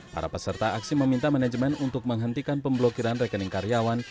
para peserta aksi meminta manajemen untuk menghentikan pemblokiran rekening karyawan